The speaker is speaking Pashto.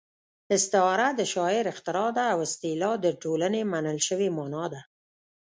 استعاره د شاعر اختراع ده او اصطلاح د ټولنې منل شوې مانا ده